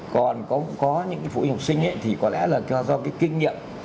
còn có những phụ học sinh thì có lẽ là do kinh nghiệm